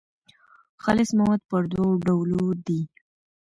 خالص مواد پر دوو ډولو دي.